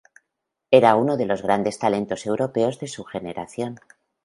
Era uno de los grandes talentos europeos de su generación.